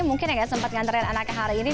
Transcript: mungkin yang nggak sempat ngantarin anaknya hari ini